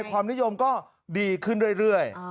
ความนิยมก็ดีขึ้นเรื่อย